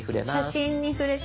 「写真」に触れた。